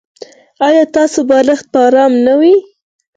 ایا ستاسو بالښت به ارام نه وي؟